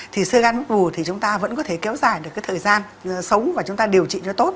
thì sơ gan hấp u thì chúng ta vẫn có thể kéo dài được cái thời gian sống và chúng ta điều trị cho tốt